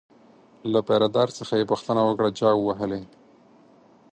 له پیره دار څخه یې پوښتنه وکړه چا ووهلی.